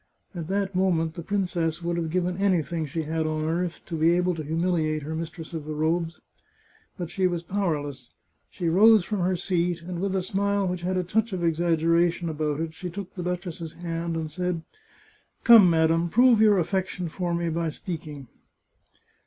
At that moment the princess would have given anything she had on earth to be able to humiliate her mis tress of the robes. But she was powerless. She rose from her seat, and with a smile which had a touch of exaggeration about it she took the duchess's hand, and said :" Come, madam, prove your affection for me by speak ing!"